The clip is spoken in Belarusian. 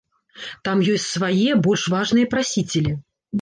Там ёсць свае, больш важныя прасіцелі.